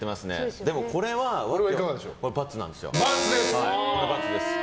でも、これは×なんですよ。